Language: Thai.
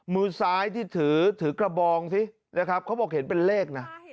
มือซ้ายที่ถือกระบองเขาบอกเห็นเป็นเลขนะ